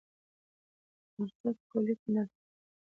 عرضه د تولید اندازه ټاکي.